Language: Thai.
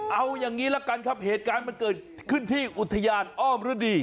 เอาอย่างนี้ละกันครับเหตุการณ์มันเกิดขึ้นที่อุทยานอ้อมฤดี